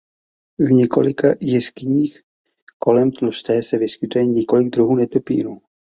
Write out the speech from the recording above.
V několika jeskyních kolem Tlusté se vyskytuje několik druhů netopýrů.